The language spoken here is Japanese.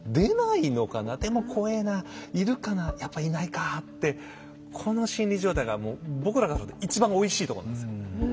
でも怖えないるかなやっぱいないかってこの心理状態がもう僕らが一番おいしいとこなんですよ。